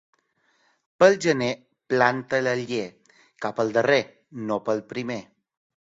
Pel gener planta l'aller; cap al darrer, no pel primer.